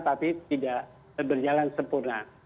tapi tidak berjalan sempurna